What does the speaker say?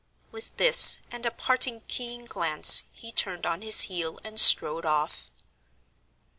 With this, and a parting keen glance, he turned on his heel and strode off.